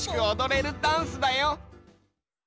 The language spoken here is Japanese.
おどれるダンスだよ。